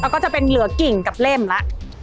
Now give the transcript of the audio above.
ก็จะเป็นเหลือกิ่งกับเล่มแล้ว